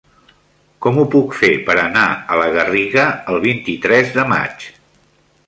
Com ho puc fer per anar a la Garriga el vint-i-tres de maig?